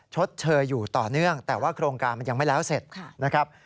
ชดเชยอยู่ต่อเนื่องแต่ว่าโครงการมันยังไม่แล้วเสร็จนะครับ